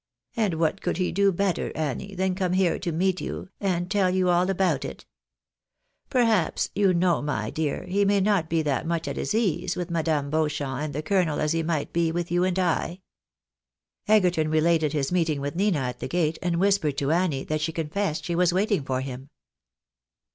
And what could he do better, Annie, than come here to meet you, and tell you all about it ? Perhaps, you know, my dear, he may not be that much at his ease with Madame Beauchamp and the colonel as he might be with you and I." Egerton related his meeting with Nina at the gate, and whis pered to Annie that she confessed she was waiting for him.